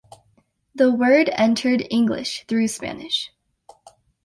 The word entered English through Spanish.